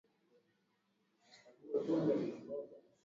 wanawake na watoto walianza kuingia kwenye boti za kuokolea